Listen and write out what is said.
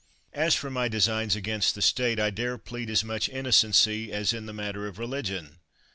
As for my designs against the State, I dare 70 STRAFFORD plead as much innocency as in the matter of religion.